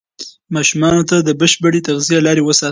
ماشومانو ته د بشپړې تغذیې لارې وښایئ.